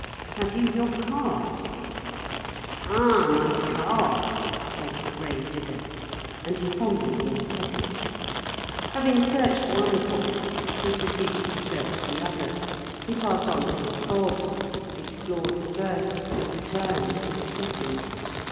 "Have you your card?" "Ah! my card?" said the grave digger. And he fumbled in his pocket. Having searched one pocket, he proceeded to search the other. He passed on to his fobs, explored the first, returned to the second.